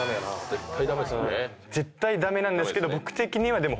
絶対駄目なんですけど僕的にはでもホントに。